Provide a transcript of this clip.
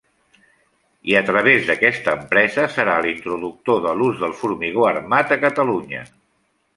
I, a través d'aquesta empresa, serà l'introductor de l'ús del formigó armat a Catalunya.